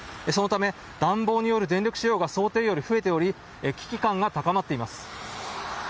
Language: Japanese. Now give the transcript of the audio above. そのため、暖房による電力使用が想定より増えており、危機感が高まっています。